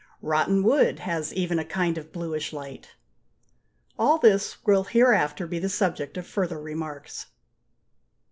Rotten wood has even a kind of bluish light. All this will hereafter be the subject of further remarks.